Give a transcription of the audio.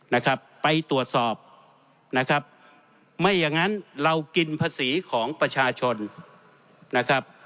นะครับไปตรวจสอบนะครับไม่อย่างนั้นเรากินภาษีของประชาชนนะครับ